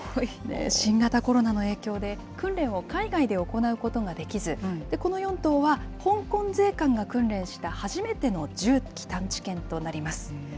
新型コロナの影響で、訓練を海外で行うことができず、この４頭は香港税関が訓練した、初めての銃器探知犬となります。